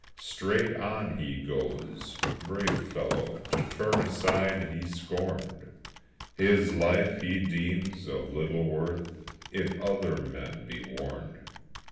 Straight on he goes, brave fellow; to turn aside he scorned, His life he deems of little worth if other men be warned.